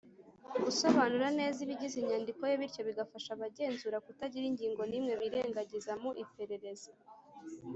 gusobanura neza ibigize inyandiko ye bityo bigafasha abagenzura kutagira ingingo nimwe birengagiza mu iperereza.